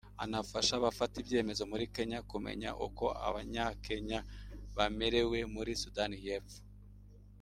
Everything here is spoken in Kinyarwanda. anafasha abafata ibyemezo muri Kenya kumenya uko Abanya-Kenya bamerewe muri Sudani y’Epfo